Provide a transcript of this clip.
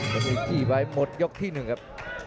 ยังมีอีกที่ไปหมดยกที่๑ครับ